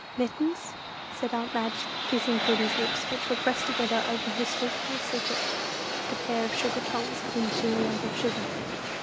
"Mittens?" said aunt Madge, kissing Prudy's lips, which were pressed together over her sweet little secret like a pair of sugar tongs clinching a lump of sugar.